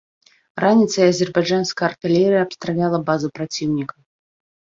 Раніцай азербайджанская артылерыя абстраляла базу праціўніка.